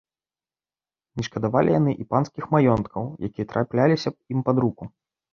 Не шкадавалі яны і панскіх маёнткаў, якія трапляліся ім пад руку.